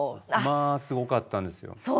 まあすごかったんですよ。